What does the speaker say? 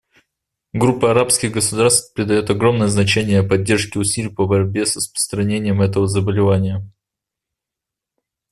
Группа арабских государств придает огромное значение поддержке усилий по борьбе с распространением этого заболевания.